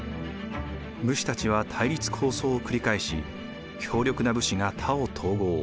武士たちは対立抗争を繰り返し強力な武士が他を統合。